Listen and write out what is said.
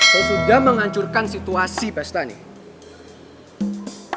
kau sudah menghancurkan situasi pesta nih